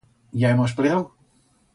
Ya hemos plegau.